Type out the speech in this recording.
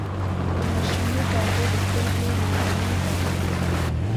د مشیمیې پرده د سترګې منځنۍ پرده ده.